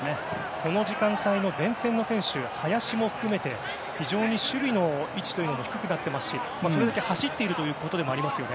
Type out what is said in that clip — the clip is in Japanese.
この時間帯の前線の選手、林も含めて守備の位置が低くなっていますしそれだけ走っているということにもなりますよね。